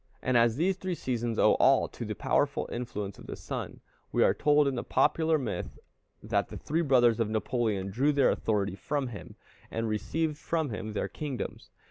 And as these three seasons owe all to the powerful influence of the Sun, we are told in the popular myth that the three brothers of Napoleon drew their authority from him, and received from him their kingdoms.